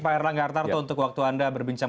pak erlangga artarto untuk waktu anda berbincang